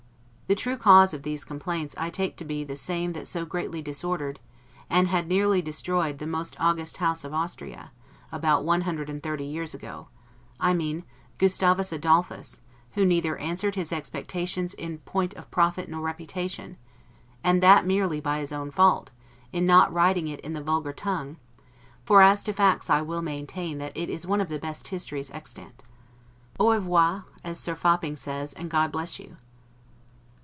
The true cause of these complaints I take to be the same that so greatly disordered, and had nearly destroyed the most august House of Austria, about one hundred and thirty years ago; I mean Gustavus Adolphus; who neither answered his expectations in point of profit nor reputation, and that merely by his own fault, in not writing it in the vulgar tongue; for as to facts I will maintain that it is one of the best histories extant. 'Au revoir', as Sir Fopling says, and God bless you!